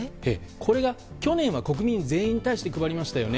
これが去年は国民全員に対して配りましたよね。